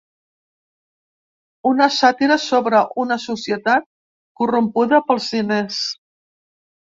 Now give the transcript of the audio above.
Una sàtira sobre una societat corrompuda pels diners.